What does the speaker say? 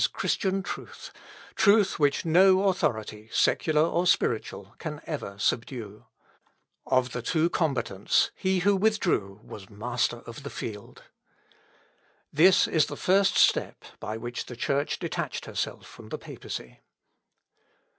Christian truth truth, which no authority, secular or spiritual, can ever subdue. Of the two combatants, he who withdrew was master of the field. This is the first step by which the Church detached herself from the papacy.